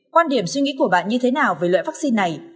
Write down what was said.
quan điểm suy nghĩ của bạn như thế nào về loại vắc xin này